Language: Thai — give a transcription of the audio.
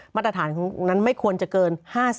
มาตรฐานของตรงนั้นไม่ควรจะเกิน๕๐